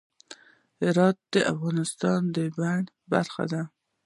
هرات د افغانستان د بڼوالۍ برخه ده.